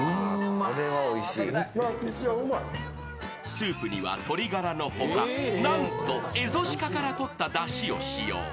スープには鶏ガラの他、なんとエゾシカからとっただしを使用。